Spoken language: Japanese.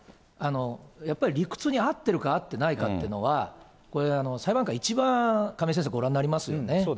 やっぱり理屈に合ってるか合ってないかというのは、これ、裁判官、一番、亀井先生、ご覧になりますよね。